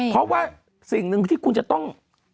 เพราะว่าสิ่งหนึ่งที่คุณจะต้อง